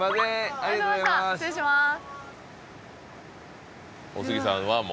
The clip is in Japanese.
ありがとうございます失礼します